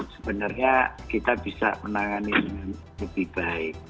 sebenarnya kita bisa menangani dengan lebih baik